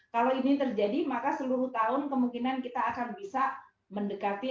kalau ini terjadi maka seluruh tahun kemungkinan kita akan bisa mendekati